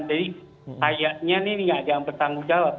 jadi saya ini tidak ada yang bertanggung jawab